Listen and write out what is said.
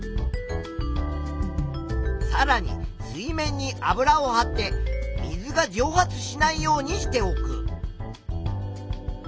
さらに水面に油をはって水がじょう発しないようにしておく。